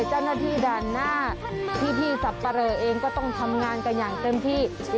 เจ้าหน้าที่ด่านหน้าพี่สับปะเลอเองก็ต้องทำงานกันอย่างเต็มที่